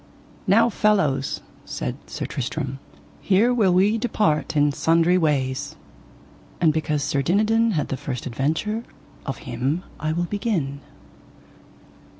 Now fellows, said Sir Tristram, here will we depart in sundry ways. And because Sir Dinadan had the first adventure of him I will begin.